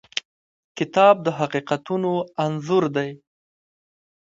کتاب د حقیقتونو انځور دی.